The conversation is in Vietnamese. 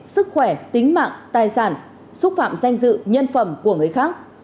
sức khỏe tính mạng tài sản xúc phạm danh dự nhân phẩm của người khác